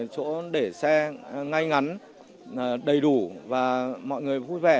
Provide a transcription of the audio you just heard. chỗ để xe ngay ngắn đầy đủ và mọi người vui vẻ